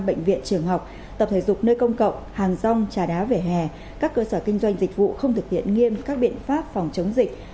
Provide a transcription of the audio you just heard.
bệnh viện trường học tập thể dục nơi công cộng hàng rong trà đá vỉa hè các cơ sở kinh doanh dịch vụ không thực hiện nghiêm các biện pháp phòng chống dịch